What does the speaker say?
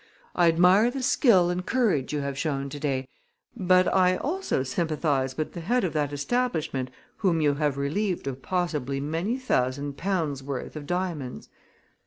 I admire the skill and courage you have shown to day, but I also sympathize with the head of that establishment whom you have relieved of possibly many thousand pounds' worth of diamonds.